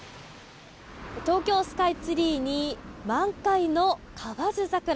東京スカイツリーに満開の河津桜。